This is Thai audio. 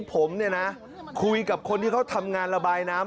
ผมคุยกับคนที่เขาทำงานระบายน้ำ